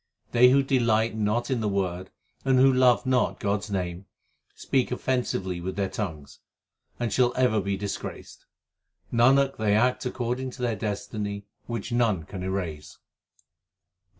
They who delight not in the Word and who love not God s name, Speak offensively with their tongues, and shall ever be disgraced. Nanak, they act according to their destiny which none can erase.